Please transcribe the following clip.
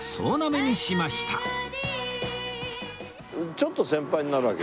ちょっと先輩になるわけ？